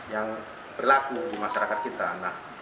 yang berlaku di masyarakat kita